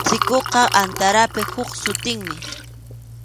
Sikuqa antarap huk sutinmi.